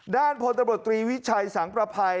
ด้านพลตำรวจตรีวิชัยสังประภัย